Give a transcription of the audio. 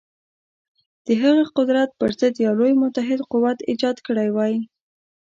د هغه قدرت پر ضد یو لوی متحد قوت ایجاد کړی وای.